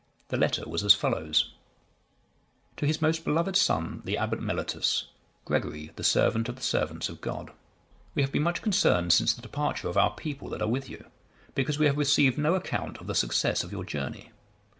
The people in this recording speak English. The letter was as follows: "To his most beloved son, the Abbot Mellitus; Gregory, the servant of the servants of God. We have been much concerned, since the departure of our people that are with you, because we have received no account of the success of your journey.